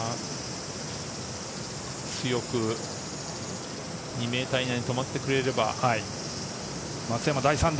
強く２ｍ以内に止まってくれ松山、第３打。